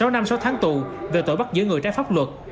sáu năm sáu tháng tù về tội bắt giữ người trái pháp luật